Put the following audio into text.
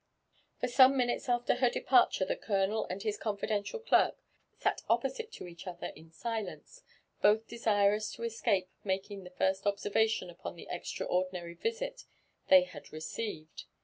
For some minutes after her departure the colonel and his confidential clerk sat opposite to each other in silence, both desirous to escape making the first observation upon the extraordinary visit they had re ceived.